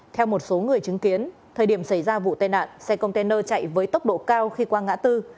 theo một số người chứng kiến thời điểm xảy ra vụ tai nạn xe container chạy với tốc độ cao khi qua ngã tư